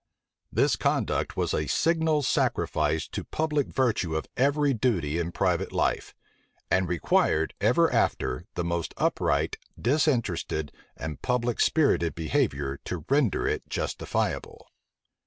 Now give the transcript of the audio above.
This conduct was a signal sacrifice to public virtue of every duty in private life; and required ever after, the most upright, disinterested, and public spirited behavior to render it justifiable.